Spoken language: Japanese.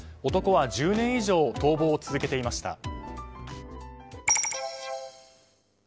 男は１０年以上逃亡を続けていました。